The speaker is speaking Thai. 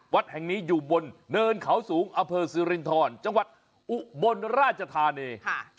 วัดแห่งนี้อยู่บนเนินเขาสูงอำเภอสิรินทรจังหวัดอุบลราชธานี